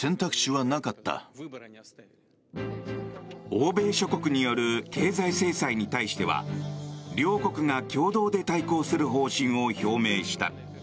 欧米諸国による経済制裁に対しては両国が共同で対抗する方針を表明した。